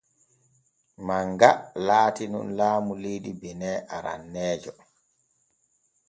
Manga laatino laamu leydi benin aranneejo.